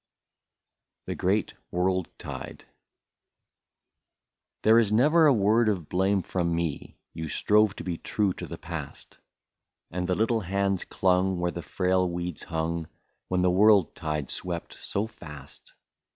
143 THE GREAT WORLD TIDE. ^^ There is never a word of blame from me, — You strove to be true to the past, And the little hands clung where the frail weeds hung, When the world tide swept so fast.